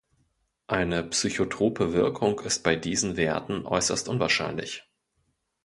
Eine psychotrope Wirkung ist bei diesen Werten äußerst unwahrscheinlich.